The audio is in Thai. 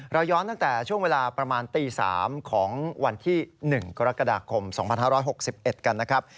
เราย้อนตั้งแต่ช่วงเวลาประมาณตี๓ของวันที่๑กรกฎาคม๒๕๖๑กันนะครับ